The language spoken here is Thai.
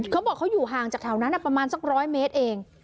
เขาบอกเขาอยู่ห่างจากแถวนั้นประมาณสัก๑๐๐เมตรเอง